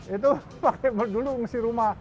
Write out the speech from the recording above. itu dulu ngisi rumah